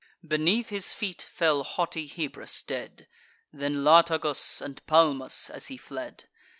Beneath his feet fell haughty Hebrus dead, Then Latagus, and Palmus as he fled.